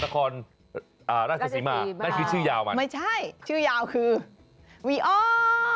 ตะคอนอ่าราชิกษิมะนั่นคือชื่อยาวมันไม่ใช่ชื่อยาวคือวีออส